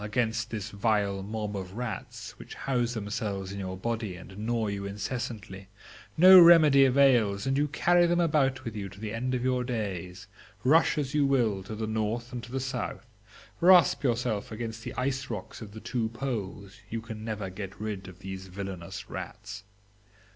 against this vile mob of rats, which house themselves in your body and gnaw you incessantly, no remedy avails, and you carry them about with you to the end of your days; rush as you will to the north and to the south, rasp yourself against the ice rocks of the two poles, you can never get rid of these villainous rats?